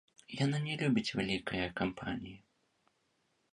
Яна не любіць вялікае кампаніі.